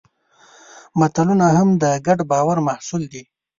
ملتونه هم د ګډ باور محصول دي.